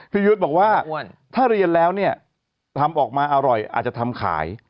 ยุทธ์บอกว่าถ้าเรียนแล้วเนี่ยทำออกมาอร่อยอาจจะทำขาย